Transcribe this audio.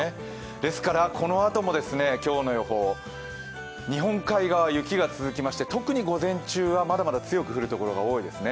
ですからこのあとも今日の予報、日本海側は雪が続きまして特に午前中はまだまだ強く降る所が多いですね。